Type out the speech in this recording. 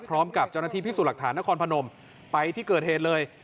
พร้อมกับเจ้าหน้าที่พิสูจน์หลักฐานนครพนมไปที่เกิดเหตุเลย